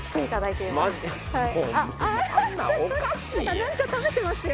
何か食べてますよ。